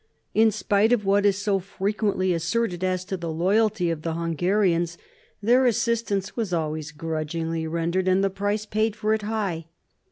In spite of what is so frequently asserted as to the loyalty of the Hungarians, their assistance was always grudgingly rendered, and the price paid for it high.